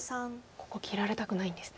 ここ切られたくないんですね。